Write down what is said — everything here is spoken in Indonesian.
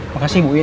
makasih bu wien